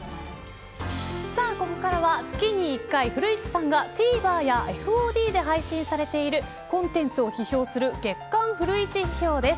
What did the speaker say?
さあ、ここからは月に１回古市さんがＴＶｅｒやＦＯＤで配信されているコンテンツを批評する月刊フルイチ批評です。